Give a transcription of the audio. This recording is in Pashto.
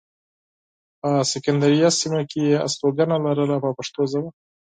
په سکندریه سیمه کې یې استوګنه لرله په پښتو ژبه.